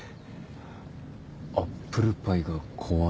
アップルパイが怖い。